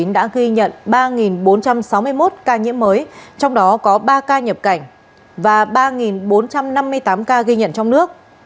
đã ghi nhận ba bốn trăm sáu mươi một ca nhiễm mới trong đó có ba ca nhập cảnh và ba bốn trăm năm mươi tám ca ghi nhận trong nước